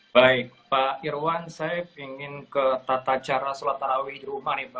baik pak irwan saya ingin ke tata cara sholat tarawih di rumah nih pak